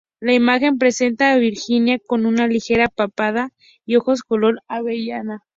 La imagen presenta a Virginia con una ligera papada y ojos color avellana.